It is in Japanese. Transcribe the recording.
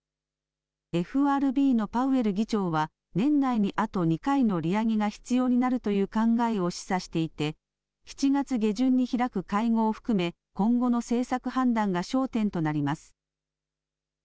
ＦＲＢのパウエル議長は年内にあと２回の利上げが必要になるという考えを示唆していて７月下旬に開く会合を含め今後の政策判断が焦点となります。